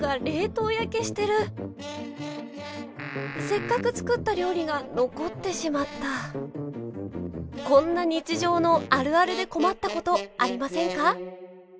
せっかく作った料理が残ってしまったこんな日常の「あるある」で困ったことありませんか？